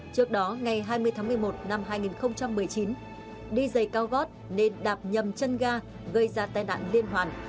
trước đó ngày hai mươi tháng một mươi một năm hai nghìn một mươi chín đi dày cao gót nên đạp nhầm chân ga gây ra tai nạn liên hoàn